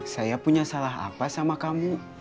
saya punya salah apa sama kamu